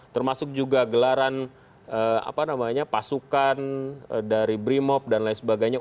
termasuk juga gelaran pasukan dari brimop dan lain sebagainya